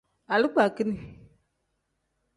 Alikpakin.